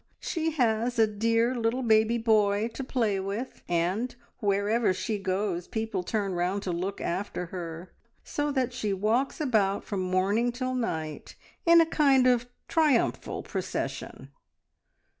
She has a dear little baby boy to play with, and wherever she goes people turn round to look after her, so that she walks about from morning till night in a kind of triumphal procession."